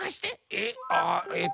えっ？